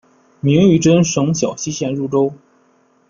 明玉珍省小溪县入州。